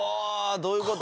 どういうこと？